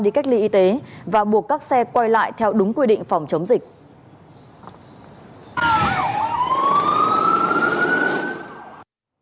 đi cách ly y tế và buộc các xe quay lại theo đúng quy định phòng chống dịch